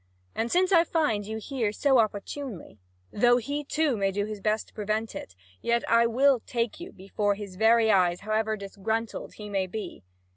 And since I find you here so opportunely, though he too may do his best to prevent it, yet I will take you before his very eyes, however disgruntled he may be."